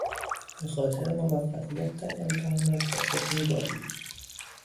بخاطر موفقیت در امتحانات به خود میبالید.